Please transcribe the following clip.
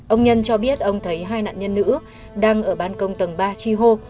ông nhân cho biết ông thấy hai nạn nhân nữ đang ở ban công tầng ba chi hô